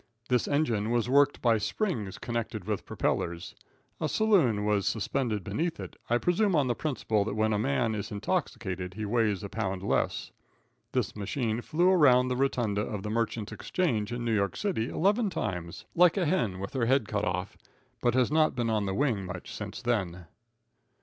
This engine was worked by springs connected with propellers. A saloon was suspended beneath it, I presume on the principle that when a man is intoxicated he weighs a pound less. This machine flew around the rotunda of the Merchants' Exchange, in New York City, eleven times, like a hen with her head cut off, but has not been on the wing much since then.